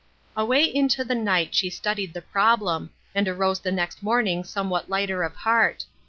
" Away into the night she studied the problem, and arose the next morning somewhat lighter of heart.